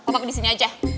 pak di sini aja